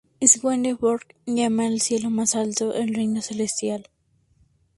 Swedenborg llama al cielo más alto "el Reino Celestial".